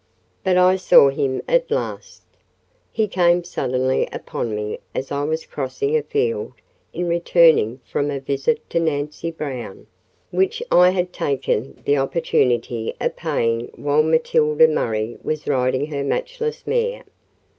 But I saw him at last. He came suddenly upon me as I was crossing a field in returning from a visit to Nancy Brown, which I had taken the opportunity of paying while Matilda Murray was riding her matchless mare.